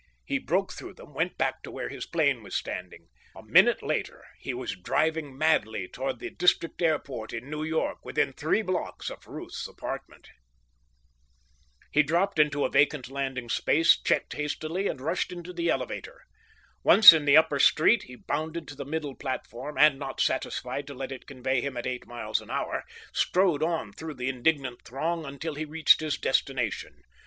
He broke through them, went back to where his plane was standing. A minute later he was driving madly toward the district airport in New York within three blocks of Ruth's apartment. He dropped into a vacant landing place, checked hastily, and rushed into the elevator. Once in the upper street, he bounded to the middle platform, and, not satisfied to let it convey him at eight miles an hour, strode on through the indignant throng until he reached his destination.